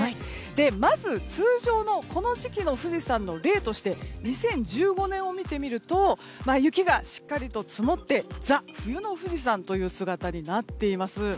まず、通常のこの時期の富士山の例として２０１５年を見てみると雪がしっかりと積もってザ・冬の富士山という姿になっています。